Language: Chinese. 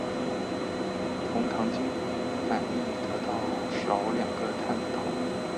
酮糖经反应得到少两个碳的糖。